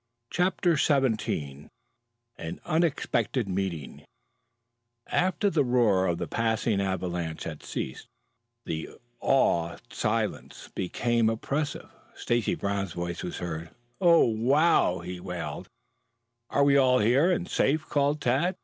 CHAPTER XVII AN UNEXPECTED MEETING After the roar of the passing avalanche had ceased, and the awed silence became oppressive, Stacy Brown's voice was heard. "Ow wow!" he wailed. "Are we all here, and safe?" called Tad.